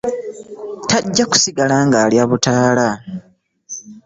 Tajja kusigala ng'alya butaala.